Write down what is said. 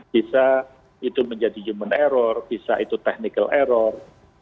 bisa itu menjadi human error bisa itu technical error